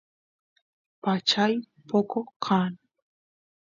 pachay poco kan